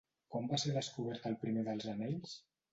Quan va ser descobert el primer dels anells?